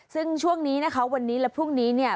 ซึ่งช่วงนี้นะคะวันนี้และพรุ่งนี้เนี่ย